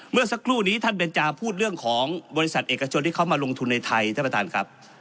เมื่อสักครู่นี้ท่านเบนจาพูดเรื่องของบริษัทเอกชนที่เขามาลงทุนในไทยท่านประธานครับ